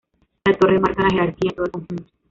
La torre marca la jerarquía de todo el conjunto.